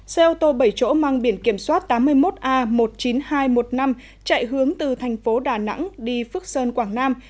xe ô tô bảy chỗ mang biển kiểm soát tám mươi một a một mươi chín nghìn hai trăm một mươi năm chạy hướng từ thành phố đà nẵng đi phước sơn quảng nam